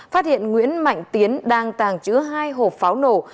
phát hiện nguyễn mạnh tiến đang tàng trữ hai hộp pháo nổ